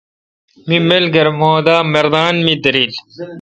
می ملگر مہ دا مردان می دیرل۔